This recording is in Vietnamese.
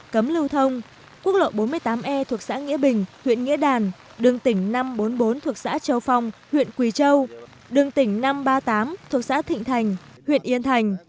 cấm lưu thông quốc lộ bốn mươi tám e thuộc xã nghĩa bình huyện nghĩa đàn đường tỉnh năm trăm bốn mươi bốn thuộc xã châu phong huyện quỳ châu đường tỉnh năm trăm ba mươi tám thuộc xã thịnh thành huyện yên thành